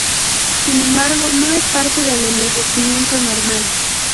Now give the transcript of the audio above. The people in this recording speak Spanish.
Sin embargo, no es parte del envejecimiento normal.